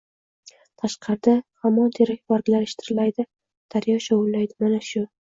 Tashqarida hamon terak barglari shitirlaydi. Daryo shovullaydi. Mana shu